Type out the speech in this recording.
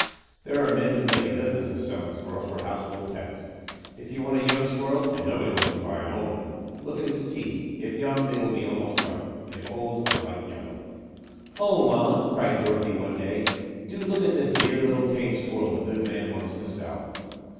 There are men who make a business of selling Squirrels for household pets. If you want a young Squirrel and nobody wants to buy an old one look at its teeth; if young, they will be almost white; if old, a light yellow. "Oh, mama," cried Dorothy one day, "do look at this dear little tame Squirrel the good man wants to sell.